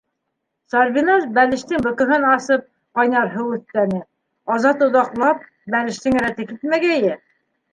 Сәрбиназ, бәлештең бөкөһөн асып, ҡайнар һыу өҫтәне: Азат оҙаҡлап, бәлештең рәте китмәгәйе...